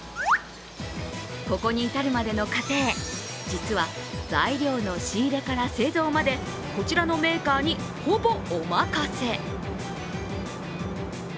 ここに至るまでの過程、実は材料の仕入れから製造までこちらのメーカーに、ほぼお任せ。